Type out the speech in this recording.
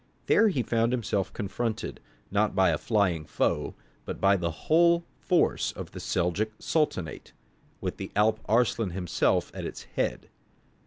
There he found himself confronted, not by a flying foe, but by the whole force of the Seljouk sultanate, with Alp Arslan himself at its head.